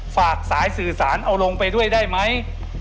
ฝากสายสื่อสารเอาลงไปด้วยได้ไหม